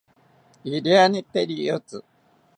Iriani tee riyotzi